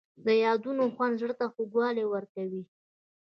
د یادونو خوند زړه ته خوږوالی ورکوي.